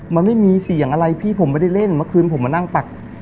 มันไม่มีเสียงอะไรพี่ผมไม่ได้เล่นเมื่อคืนผมมานั่งปัก